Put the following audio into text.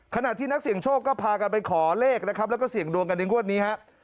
ขณะที่นักเสี่ยงโชคก็พากันไปขอเลขนะครับแล้วก็เสี่ยงดวงกันในงวดนี้ฮะ